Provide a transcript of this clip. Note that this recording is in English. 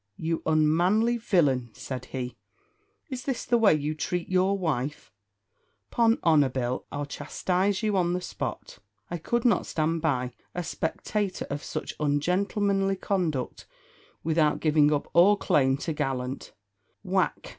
"You unmanly villain," said he, "is this the way you treat your wife? 'Pon honour, Bill, I'll chastise you on the spot. I could not stand by, a spectator of such ungentlemanly conduct without giving up all claim to gallant " Whack!